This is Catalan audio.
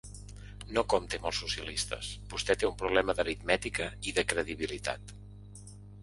No compti amb els socialistes; vostè té un problema d’aritmètica i de credibilitat.